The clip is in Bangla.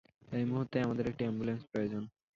এই মুহুর্তেই আমাদের একটি অ্যাম্বুলেন্স প্রয়োজন!